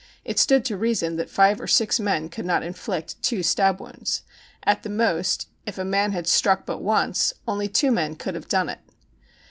It stood to reason that five or six men could not inflict two stab wounds. At the most, if a man had struck but once, only two men could have done it.